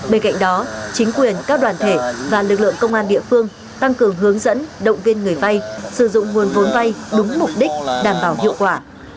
bên cạnh đó chính quyền các đoàn thể và lực lượng công an địa phương tăng cường hướng dẫn động viên người vay sử dụng nguồn vốn vay đúng mục đích đảm bảo hiệu quả